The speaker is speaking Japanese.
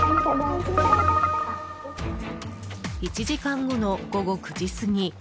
１時間後の午後９時すぎ。